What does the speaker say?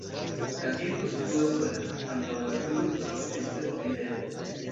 La kirko situas sola, antaŭe kruco estas videbla.